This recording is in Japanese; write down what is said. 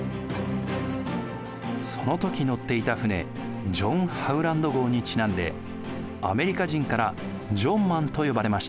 その時乗っていた船ジョン・ハウランド号にちなんでアメリカ人からジョン・マンと呼ばれました。